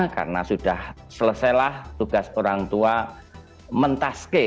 karena sudah selesailah tugas orang tua mentaske